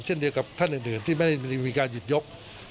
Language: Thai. เช่นเดียวกับท่านอื่นที่ไม่ได้มีการหยิบยก